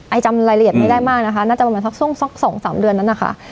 ไอ้จำรายละเอียดไม่ได้มากนะคะน่าจะประมาณสองสามเดือนนั้นค่ะ